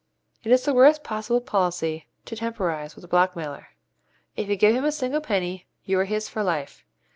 It is the worst possible policy to temporize with a blackmailer. If you give him a single penny, you are his for life.